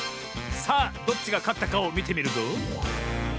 さあどっちがかったかをみてみるぞ。